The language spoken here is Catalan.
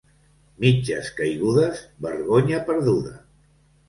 Mitges caigudes, vergonya perduda.